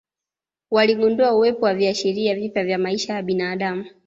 Waligundua uwepo wa viashiria vipya vya maisha ya mwanadamu